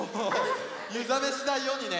ゆざめしないようにね！